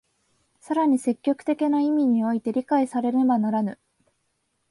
更に積極的な意味において理解されねばならぬ。